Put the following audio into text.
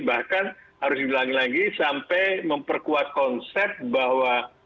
bahkan harus diulangi lagi sampai memperkuat konsep bahwa